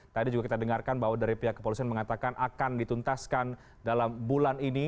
tadi juga kita dengarkan bahwa dari pihak kepolisian mengatakan akan dituntaskan dalam bulan ini